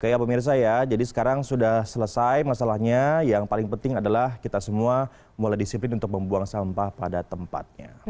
ya pemirsa ya jadi sekarang sudah selesai masalahnya yang paling penting adalah kita semua mulai disiplin untuk membuang sampah pada tempatnya